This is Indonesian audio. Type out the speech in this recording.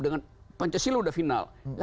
dengan pancasila udah final